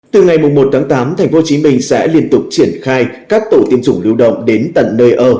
từ ngày một tháng tám tp hcm sẽ liên tục triển khai các tổ tiêm chủng lưu động đến tận nơi ở